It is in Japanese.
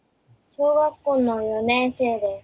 小学校の４年生です。